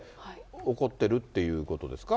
怒ってるっていうことですか？